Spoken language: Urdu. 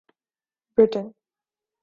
بریٹن